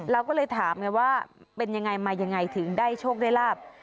เราก็เลยถามไงว่าเป็นยังไงมายังไงถึงได้โชคได้ลาบ